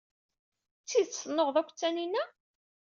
D tidet tennuɣeḍ akked Taninna?